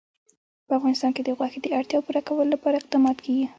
په افغانستان کې د غوښې د اړتیاوو پوره کولو لپاره اقدامات کېږي.